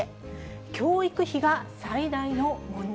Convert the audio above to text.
教育費が最大の問題。